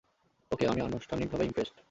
ওকে, আমি আনুষ্ঠানিকভাবে ইম্প্রেসড!